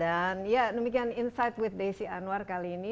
dan ya demikian insight with desi anwar kali ini